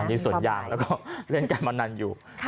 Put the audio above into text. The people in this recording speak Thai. อันนี้ส่วนยากแล้วก็เล่นการประนันอยู่